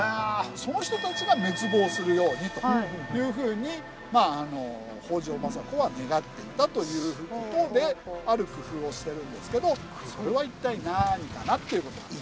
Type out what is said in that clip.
その人たちが滅亡するようにというふうに北条政子は願っていたという事である工夫をしてるんですけどそれは一体何かなっていう事なんです。